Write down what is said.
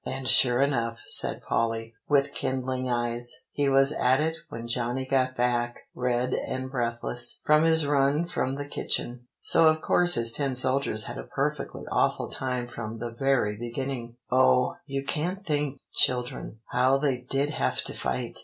"And sure enough," said Polly, with kindling eyes, "he was at it when Johnny got back, red and breathless, from his run from the kitchen. So of course his tin soldiers had a perfectly awful time from the very beginning. Oh, you can't think, children, how they did have to fight!